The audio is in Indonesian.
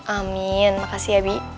amin makasih ya bi